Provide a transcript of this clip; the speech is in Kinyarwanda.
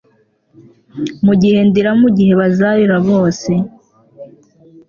Mugihe ndira mugihe bazazira bose